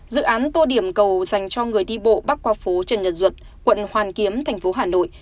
dự án tô điểm cầu dành cho người đi bộ bắc qua phố trần nhật duật quận hoàn kiếm thành phố hà nội